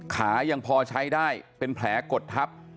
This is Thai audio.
ขายังพอใช้ได้เป็นแผลกดทับ